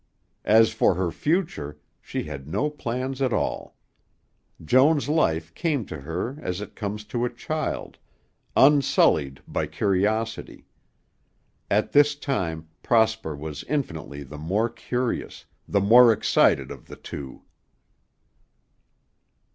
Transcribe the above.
As for her future, she had no plans at all. Joan's life came to her as it comes to a child, unsullied by curiosity. At this time Prosper was infinitely the more curious, the more excited of the two.